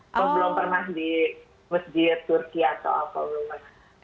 kalau belum pernah di masjid turki atau apa